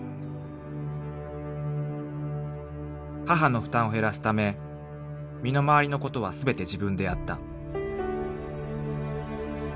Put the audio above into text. ［母の負担を減らすため身の回りのことは全て自分でやった］